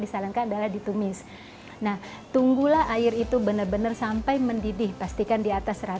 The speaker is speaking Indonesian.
disarankan adalah ditumis nah tunggulah air itu benar benar sampai mendidih pastikan di atas